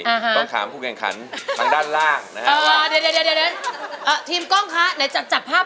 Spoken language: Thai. ต้องถามคุณแข่งขันทางด้านล่างนะครับ